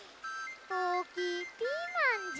おおきいピーマンじゃ。